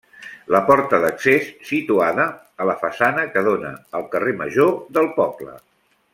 La porta d'accés situada a la façana que dóna al carrer Major del poble.